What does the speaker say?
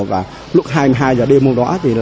và lúc hai mươi hai h đêm hôm đó